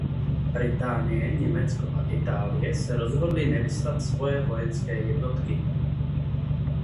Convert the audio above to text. Británie, Německo a Itálie se rozhodly nevyslat své vojenské jednotky.